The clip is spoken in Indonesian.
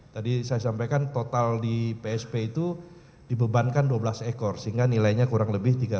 tadi saya sampaikan total di psp itu dibebankan dua belas ekor sehingga nilainya kurang lebih tiga ratus